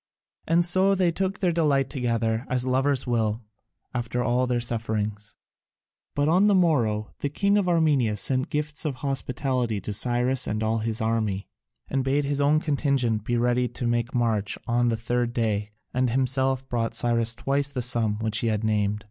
And so they took their delight together, as lovers will, after all their sufferings. But on the morrow the king of Armenia sent gifts of hospitality to Cyrus and all his army, and bade his own contingent make ready to march on the third day, and himself brought Cyrus twice the sum which he had named.